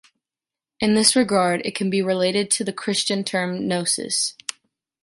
In this regard, it can be related to the christian term Gnosis.